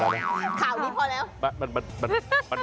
เส้นยืด